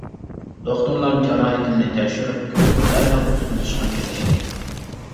دوختۇرلار جاراھىتىمنى تەكشۈرۈپ كۆرۈپ دەرھال قۇتقۇزۇشقا كىرىشتى.